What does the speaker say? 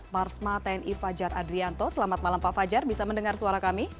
marsma tni fajar adrianto selamat malam pak fajar bisa mendengar suara kami